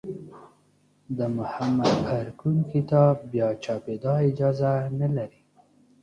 د محمد ارکون کتاب بیا چاپېدا اجازه نه لري.